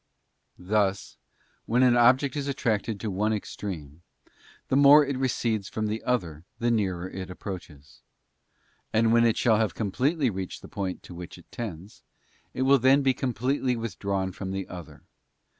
Thus, when an object is attracted to one extreme, the more it recedes from the other the nearer it approaches; and when it shall have completely reached the point to which it tends, it will then be completely withdrawn from the other.